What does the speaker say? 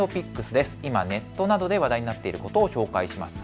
今ネットなどで話題になっていることを紹介します。